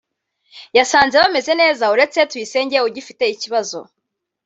yasanze bameze neza uretse Tuyisenge ugifite ikibazo